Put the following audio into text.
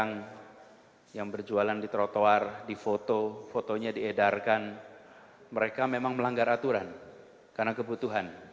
sering kali kita menyaksikan pedagang pedagang yang berjualan di trotoar di foto fotonya diedarkan mereka memang melanggar aturan karena kebutuhan